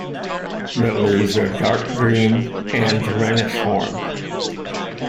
The leaves are dark green and reniform.